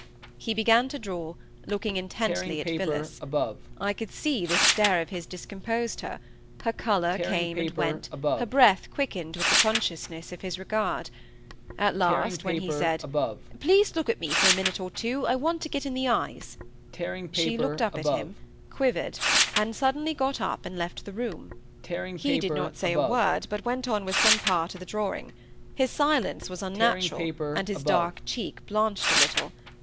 He began to draw, looking intently at Phillis; I could see this stare of his discomposed her—her colour came and went, her breath quickened with the consciousness of his regard; at last, when he said, "Please look at me for a minute or two, I want to get in the eyes," she looked up at him, quivered, and suddenly got up and left the room. He did not say a word, but went on with some other part of the drawing; his silence was unnatural, and his dark cheek blanched a little.